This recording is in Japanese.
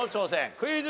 クイズ。